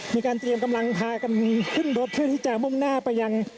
มีการเตรียมกำลังพากันขึ้นรถเพื่อที่จะมุ่งหน้าไปยัง